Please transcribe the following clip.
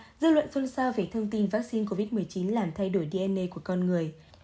những ngày qua dư luận xuân sao về thông tin vaccine covid một mươi chín làm thay đổi dna của con người